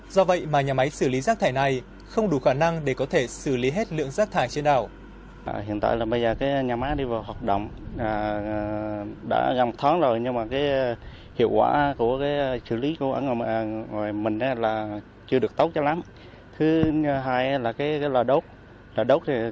do vậy mà nhà máy xử lý rác thải này không đủ khả năng để có thể xử lý hết lượng rác thải trên đảo